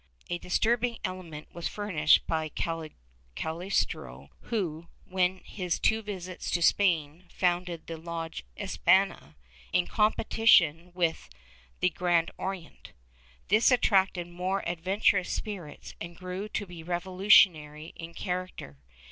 A disturbing element was furnished by Cagliostro who, in his two visits to Spain, founded the lodge Espaha, in competition with the Grand Orient. This attracted the more adventurous spirits and grew to be revolutionary in character.